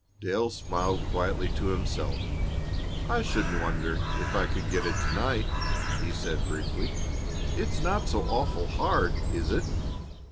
Dale smiled quietly to himself. "I shouldn't wonder if I could get it to night," he said briefly. "It's not so awful hard, is it?"